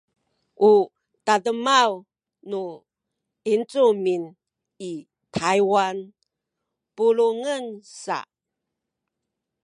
u tademaw nu Yincumin i Taywan pulungen sa